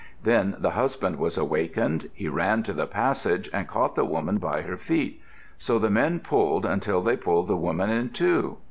Then the husband was awakened. He ran to the passage and caught the woman by her feet. So the men pulled until they pulled the woman in two.